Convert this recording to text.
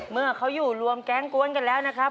เมื่อเขาอยู่รวมแก๊งกวนกันแล้วนะครับ